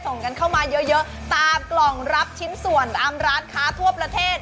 ส่งกันเข้ามาเยอะตามกล่องรับชิ้นส่วนตามร้านค้าทั่วประเทศ